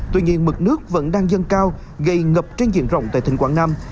tuy nhiên mực nước vẫn đang dâng cao gây ngập trên diện rộng tại tỉnh quảng nam